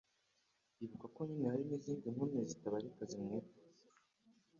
ibuka ko nyine hari n'inzindi nkumi zitabarika zimwifuza